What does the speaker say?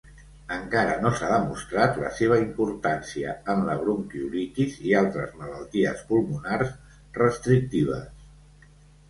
Encara no s'ha demostrat la seva importància en la bronquiolitis i altres malalties pulmonars restrictives.